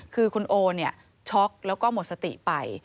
คือคุณโอวรุธเนี่ยช็อกแล้วก็หมดสติไป